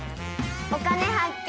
「お金発見」。